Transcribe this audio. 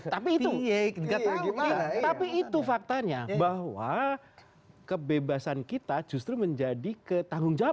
tapi itu tapi itu faktanya bahwa kebebasan kita justru menjadi ketanggung jawaban